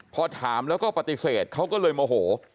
พอถามแล้วก็ปฏิเสธเขาก็เลยโมโห